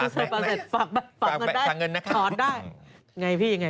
ซื้อเผาเสร็จฝากไปได้ถอนได้